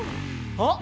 あっ！